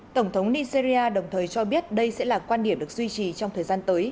tổng thống nigeria đồng thời cho biết đây sẽ là quan điểm được duy trì trong thời gian tới